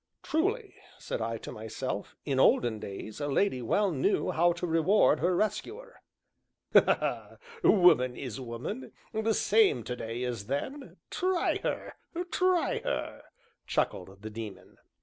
"Truly," said I to myself, "in olden days a lady well knew how to reward her rescuer!" "Woman is woman the same to day as then try her, try her!" chuckled the Daemon.